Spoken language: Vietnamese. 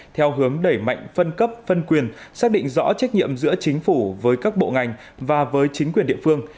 theo hướng đẩy mạnh phân cấp phân quyền xác định rõ trách nhiệm giữa chính phủ với các bộ ngành và với chính quyền địa phương